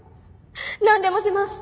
何でもします。